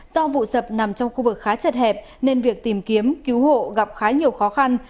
do vụ sập nằm trong khu vực khá chật hẹp nên việc tìm kiếm cứu hộ gặp khá nhiều khó khăn